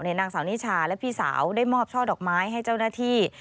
นางสาวนิชาและพี่สาวได้มอบช่อดอกไม้ให้เจ้าหน้าที่